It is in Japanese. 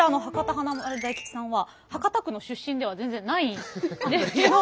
華丸・大吉さんは博多区の出身では全然ないんですけども。